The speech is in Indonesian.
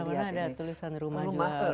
di mana mana ada tulisan rumah dijual